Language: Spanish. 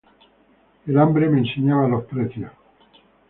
El hambre me enseñaba los precios.